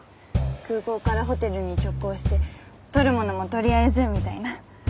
空港からホテルに直行して取るものもとりあえずみたいな。